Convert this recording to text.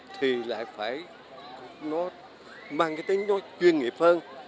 thì lại phải nó mang cái tính nó chuyên nghiệp hơn